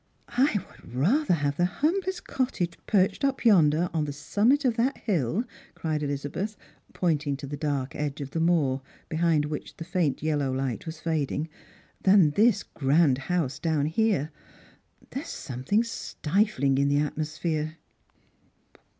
I would rather have the humblest cottage perched up yonder on the snmmit of that hill," cried Elizabeth, pointing to_ the dark 'idge of the moor, behind which the faint yellow light was fading, " than this grand house down here ; there's something stifling in the atmosphere."